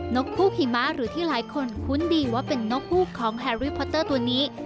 กฮูกหิมะหรือที่หลายคนคุ้นดีว่าเป็นนกฮูกของแฮรี่พอเตอร์ตัวนี้